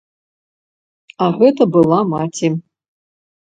А гэта была маці.